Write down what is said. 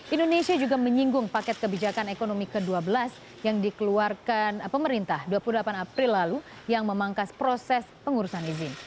indonesia juga menyinggung paket kebijakan ekonomi ke dua belas yang dikeluarkan pemerintah dua puluh delapan april lalu yang memangkas proses pengurusan izin